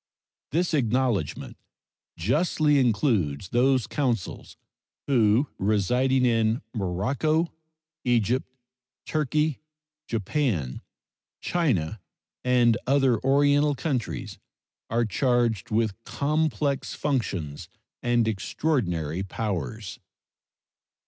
This acknowledgment justly includes those consuls who, residing in Morocco, Egypt, Turkey, Japan, China, and other Oriental countries, are charged with complex functions and extraordinary powers.